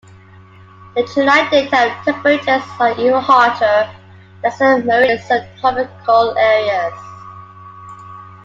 The July daytime temperatures are even hotter than some marine subtropical areas.